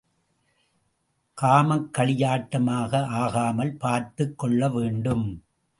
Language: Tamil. காமக்களியாட்டமாக ஆகாமல் பார்த்துக் கொள்ளவேண்டும்.